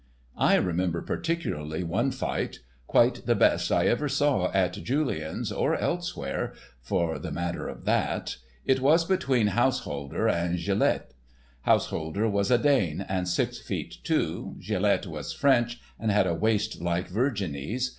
I remember particularly one fight—quite the best I ever saw at Julien's or elsewhere, for the matter of that. It was between Haushaulder and Gilet. Haushaulder was a Dane, and six feet two. Gilet was French, and had a waist like Virginie's.